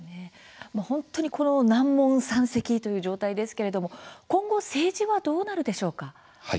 本当に難問山積という状態ですが今後政治はどうなるでしょうか。